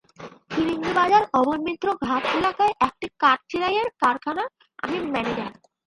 ফিরিঙ্গিবাজার অভয় মিত্র ঘাট এলাকায় একটি কাঠ চেরাইয়ের কারখানার আমি ম্যানেজার।